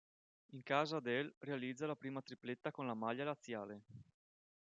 In casa del realizza la prima tripletta con la maglia laziale.